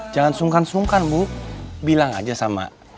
jangan sungkan sungkan bu bilang aja sama